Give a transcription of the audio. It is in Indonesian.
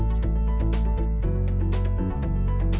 langkah selanjutnya bisa ditemukan diesw celi cheers